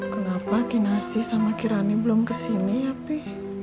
kenapa kinasi sama kirani belum kesini ya pi